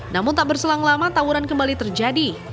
namun tak berselang lama tawuran kembali terjadi